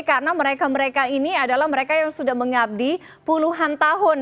karena mereka mereka ini adalah mereka yang sudah mengabdi puluhan tahun